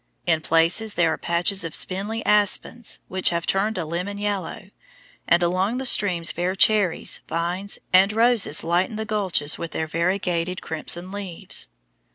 In places there are patches of spindly aspens, which have turned a lemon yellow, and along the streams bear cherries, vines, and roses lighten the gulches with their variegated crimson leaves.